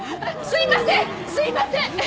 すいません！